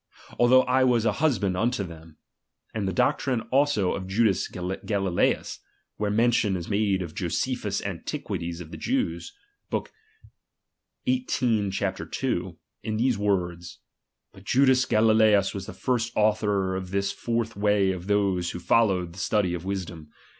although I was an hushand unto them ; and the doctrine also of Judas Galilseus, where mention is made in Josephus' Antiq. of tlie Jews, (Book sviii. chap. 2), in these words : Bat Judas Galilceus was the first author of this fourth way of those who followed tlie study of wisdom.